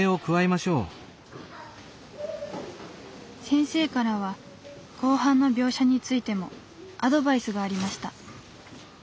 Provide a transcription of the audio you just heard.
先生からは後半の描写についてもアドバイスがありました。